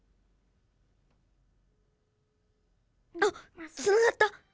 あっつながった！